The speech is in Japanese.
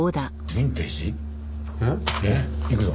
行くぞ。